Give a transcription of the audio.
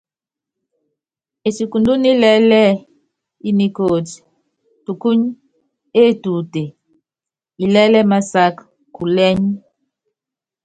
Etikundun ilɛ́lɛ́ i nikóti, tukuny etuute, ilɛ́lɛ́ i másak kúlɛ́ny.